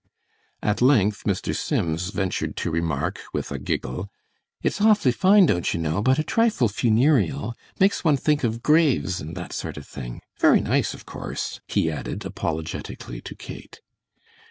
At length Mr. Sims ventured to remark, with a giggle: "It's awfully fine, don't you know, but a trifle funereal. Makes one think of graves and that sort of thing. Very nice, of course," he added, apologetically, to Kate.